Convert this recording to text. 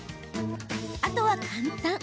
あとは簡単。